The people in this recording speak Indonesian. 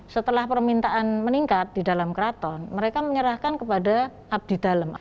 setelah permintaan meningkat di dalam keraton mereka menyerahkan kepada abdi dalam